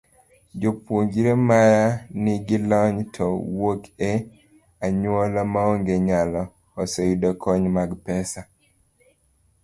Jopuonjre ma nigi lony to wuok e anyuola maonge nyalo, oseyudo kony mag pesa.